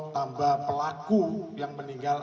tambah pelaku yang meninggal